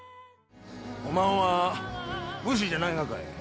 おまんは武士じゃないがかい